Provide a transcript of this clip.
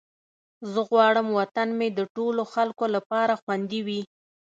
زه غواړم وطن مې د ټولو خلکو لپاره خوندي وي.